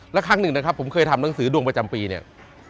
แล้วครั้งหนึ่งนะครับผมเคยทำหนังสือดวงประจำปีเนี่ย